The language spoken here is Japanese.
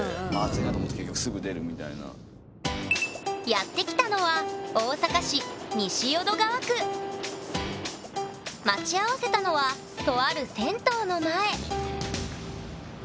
やって来たのは待ち合わせたのはとある銭湯の前！